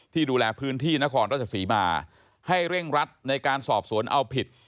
ดูแลพื้นที่นครราชศรีมาให้เร่งรัดในการสอบสวนเอาผิด